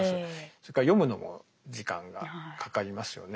それから読むのも時間がかかりますよね。